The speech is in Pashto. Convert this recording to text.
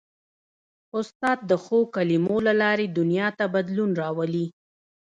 استاد د ښو کلمو له لارې دنیا ته بدلون راولي.